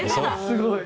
すごい。